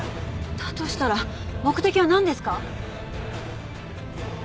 だとしたら目的は何ですか？